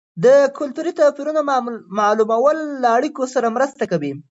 د کلتوري توپیرونو معلومول له اړیکو سره مرسته کوي.